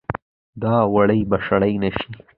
دا وړۍ به شړۍ نه شي